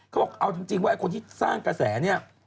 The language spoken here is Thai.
เขาบอกเอาจริงว่าไอ้คนที่สร้างกระแสเนี่ย